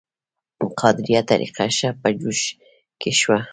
قادریه طریقه ښه په جوش کې شوه.